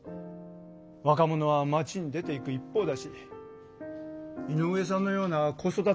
若者は町に出ていく一方だし井上さんのような子育て世代も少ない。